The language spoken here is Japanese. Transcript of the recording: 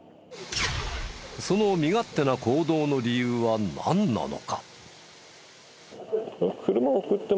その身勝手な行動の理由はなんなのか？